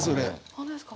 本当ですか。